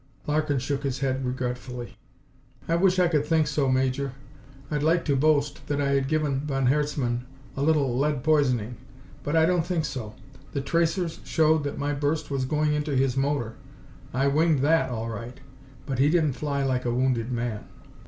Larkin shook his head regretfully. "I wish I could think so, Major. I'd like to boast that I had given von Herzmann a little lead poisoning. But I don't think so. The tracers showed that my burst was going into his motor. I winged that, all right, but he didn't fly like a wounded man."